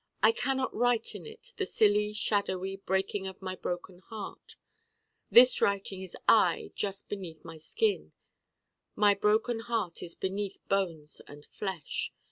I cannot write in it the silly shadowy Breaking of my Broken Heart. This writing is I Just Beneath My Skin. My Broken Heart is beneath bones and flesh.